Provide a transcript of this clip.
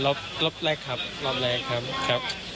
กลับรอบแรกครับรอบแรกครับ